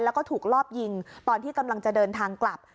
แล้วก็ถูกรอบยิงตอนที่กำลังจะเดินทางกลับ